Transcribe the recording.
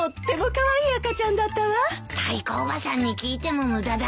タイコおばさんに聞いても無駄だね。